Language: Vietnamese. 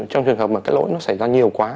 trong trường hợp mà cái lỗi nó xảy ra nhiều quá